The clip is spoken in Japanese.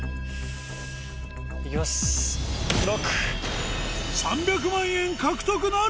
いきますＬＯＣＫ！